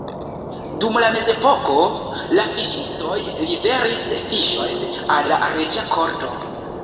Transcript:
Dum la mezepoko la fiŝistoj liveris fiŝojn al la reĝa korto.